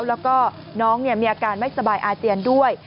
แล้วก็น้องมีอาการไม่สบายอาเจียนด้วย